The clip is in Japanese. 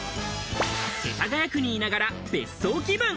世田谷区にいながら別荘気分。